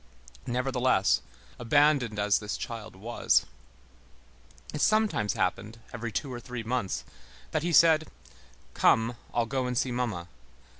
Nevertheless, abandoned as this child was, it sometimes happened, every two or three months, that he said, "Come, I'll go and see mamma!"